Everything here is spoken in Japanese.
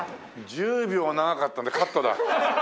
１０秒長かったんでカットだ。